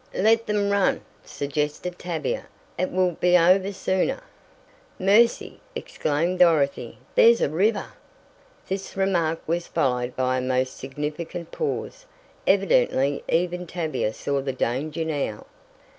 "Let them run," suggested Tavia. "It will be over sooner!" "Mercy!" exclaimed Dorothy, "there's a river!" This remark was followed by a most significant pause. Evidently even Tavia saw the danger now.